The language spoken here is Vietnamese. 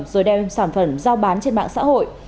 rồi đem sản phẩm giao bán trên mạng xã hội